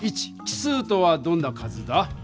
奇数とはどんな数だ？